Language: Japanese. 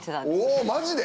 おマジで？